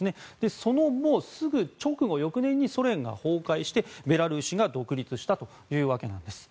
その後、すぐ直後翌年にソ連が崩壊してベラルーシが独立したというわけなんです。